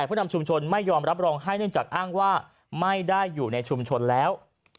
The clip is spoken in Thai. ผู้นำชุมชนไม่ยอมรับรองให้เนื่องจากอ้างว่าไม่ได้อยู่ในชุมชนแล้ว